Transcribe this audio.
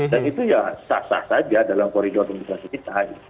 dan itu ya sah sah saja dalam koridor administrasi kita